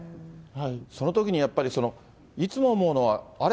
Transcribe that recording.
そのときにやっぱり、いつも思うのは、あれ？